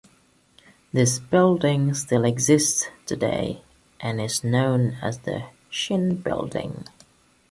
This building still exists today, and is known as the Shinn Building.